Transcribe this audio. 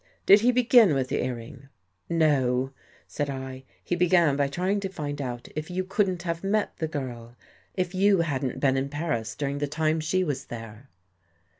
" Did he begin with the earring? "" No," said I. " He began by trying to find out if you couldn't have met the girl — if you hadn't been in Paris during the time she was there."